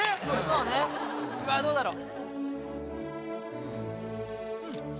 うわどうだろう・